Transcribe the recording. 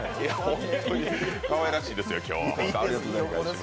かわいらしいですよ、今日は。